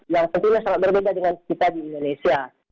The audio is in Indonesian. yang tentunya sangat berbeda dengan kita di indonesia